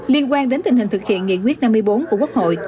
liên quan đến tình hình thực hiện nghị quyết năm mươi bốn của quốc hội